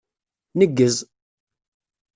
Neggez!